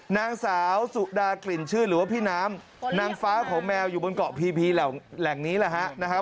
นางสาวสุดากลิ่นชื่นหรือว่าพี่น้ำนางฟ้าของแมวอยู่บนเกาะพีพีแหล่งนี้แหละฮะนะครับ